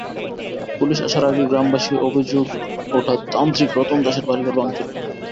Police আসার আগেই গ্রামবাসী অভিযোগ ওঠা তান্ত্রিক রতন দাসের বাড়িঘর ভাঙচুর করে।